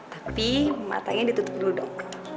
tapi matanya ditutup dulu dong